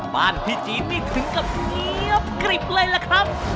บ้านพี่จี๊ดนี่ถึงกับเงียบกริบเลยล่ะครับ